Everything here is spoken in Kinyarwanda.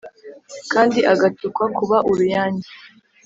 kandi agatukwa kuba uruyange